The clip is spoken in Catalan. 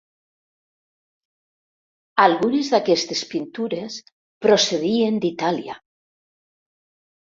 Algunes d'aquestes pintures procedien d'Itàlia.